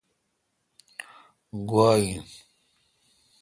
گوا ان۔